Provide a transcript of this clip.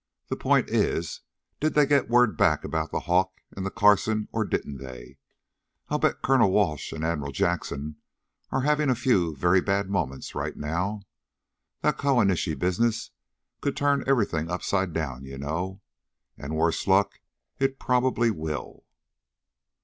"The point is, did they get word back about the Hawk and the Carson, or didn't they? I bet Colonel Welsh and Admiral Jackson are having a few very bad moments right now. That Kawanishi business could turn everything upside down, you know. And worse luck, it probably will."